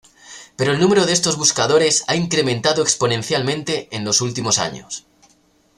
Pero el número de estos buscadores ha incrementado exponencialmente en los últimos años.